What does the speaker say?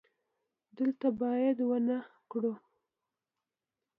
دلته باید ونه وکرو